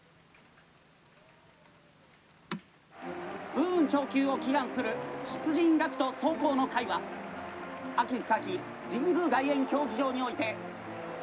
「武運長久を祈願する出陣学徒壮行の会は秋深き神宮外苑競技場において雄々しくも」。